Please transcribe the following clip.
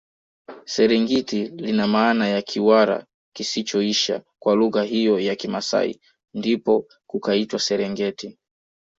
Serengiti lina maana ya Kiwara kisichoisha kwa lugha hiyo ya kimasai ndipo kukaitwa serengeti